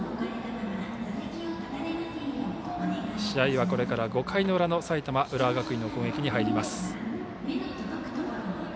試合はこれから５回の裏の埼玉・浦和学院の攻撃に入ります。